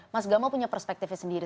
mas gamal punya perspektifnya sendiri